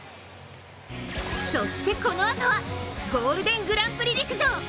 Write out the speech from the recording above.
そしてこのあとはゴールデングランプリ陸上。